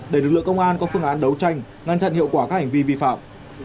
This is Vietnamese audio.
để lực lượng công an có phương án đấu tranh ngăn chặn hiệu quả các hành vi vi phạm